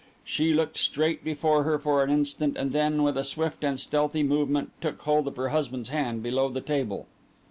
She looked straight before her for an instant, and then, with a swift and stealthy movement, took hold of her husband's hand below the table.